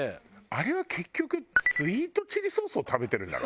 あれは結局スイートチリソースを食べてるんだろ？